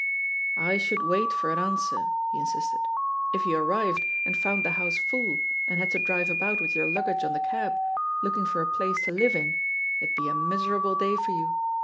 I should wait for an answer," he insisted. If you arrived and found the house full and had to drive about with your luggage on the cab, looking for a place to live in, it'd be a miserable day for you.